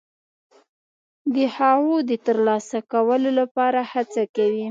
د هغو د ترلاسه کولو لپاره هڅه کوي.